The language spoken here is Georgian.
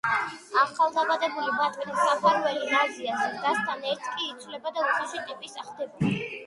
ახალდაბადებული ბატკნის საფარველი ნაზია, ზრდასთან ერთ კი იცვლება და უხეში ტიპისა ხდება.